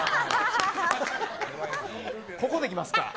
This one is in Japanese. ここで、きますか。